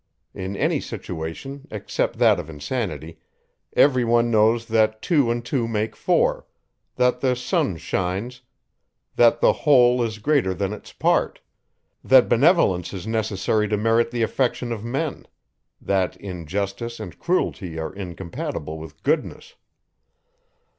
In any situation, except that of insanity, every one knows that two and two make four, that the sun shines, that the whole is greater than its part; that benevolence is necessary to merit the affection of men; that injustice and cruelty are incompatible with goodness.